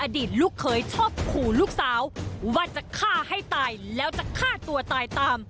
ลูกเคยชอบขู่ลูกสาวว่าจะฆ่าให้ตายแล้วจะฆ่าตัวตายตาม